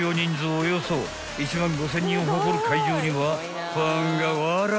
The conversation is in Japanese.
およそ１万５，０００人を誇る会場にはファンがわらわら来てらぁ］